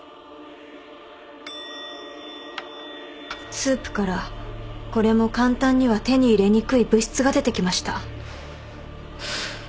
スープからこれも簡単には手に入れにくい物質が出てきました。